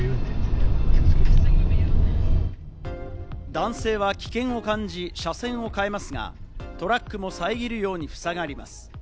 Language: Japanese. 男性は危険を感じ、車線を変えますが、トラックもさえぎるように塞がります。